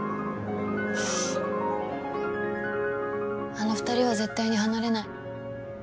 あの２人は絶対に離れない。